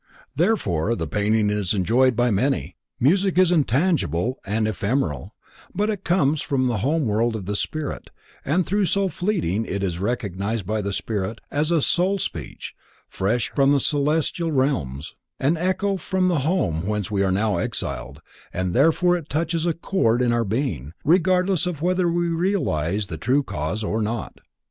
Therefore the painting is enjoyed by many. Music is intangible and ephemeral, but it comes from the home world of the spirit and though so fleeting it is recognized by the spirit as a soul speech fresh from the celestial realms, an echo from the home whence we are now exiled, and therefore it touches a cord in our being, regardless of whether we realize the true cause or not.